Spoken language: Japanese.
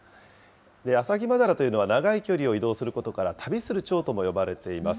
アサギマダラというのは長い距離を移動することから、旅するチョウとも呼ばれています。